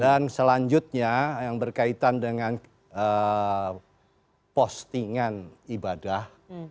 dan selanjutnya yang berkaitan dengan postingan ibadah